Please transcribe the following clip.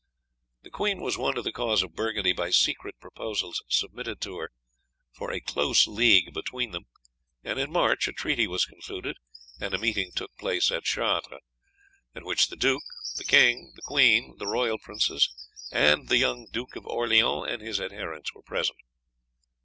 The queen was won to the cause of Burgundy by secret proposals submitted to her for a close league between them, and in March a treaty was concluded, and a meeting took place at Chartres, at which the duke, the king, the queen, the royal princes, and the young Duke of Orleans and his adherents were present.